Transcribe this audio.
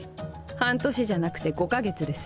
半年じゃなくて５か月です。